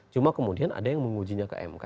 cuma kemudian ada yang mengujinya ke mk